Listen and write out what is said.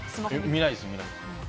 見ないです。